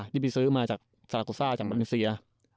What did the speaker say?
ที่บีซื้อมาจากซาลากูซ่าจากปราณินเซีย